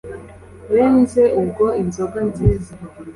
benze ubwo inzoga nziza